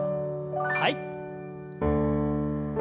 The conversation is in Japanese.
はい。